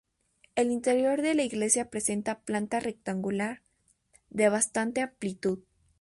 El interior de la iglesia presenta planta rectangular, de bastante amplitud.